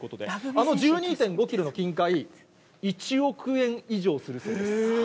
あの１２．５キロの金塊、１億円以上するそうです。